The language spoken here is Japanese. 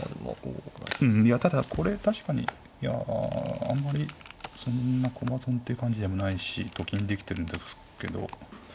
ただこれ確かにいやあんまりそんな駒損って感じでもないしと金できてるんですけど。